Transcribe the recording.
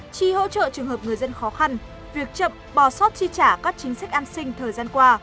chi hỗ trợ trường hợp người dân khó khăn việc chậm bò sót chi trả các chính sách an sinh thời gian qua